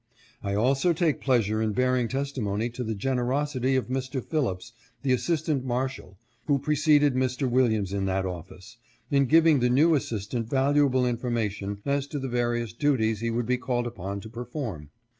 I also take pleasure in bearing testimo ny to the generosity of Mr. Phillips, the Assistant Mar shal who preceded Mr. Williams in that office, in giving the new assistant valuable information as to the various duties he would be called upon to perform.